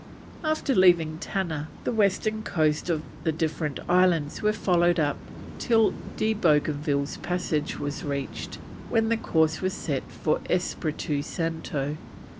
After leaving Tanna, the western coasts of the different islands were followed up till De Bougainville's Passage was reached, when the course was set for Espiritu Santo.